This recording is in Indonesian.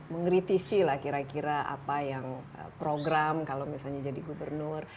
mengkritisi lah kira kira apa yang program kalau misalnya jadi gubernur